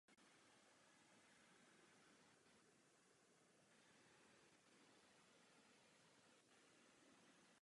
Tvoří ji několik budov a zámek s hospodářskými budovami.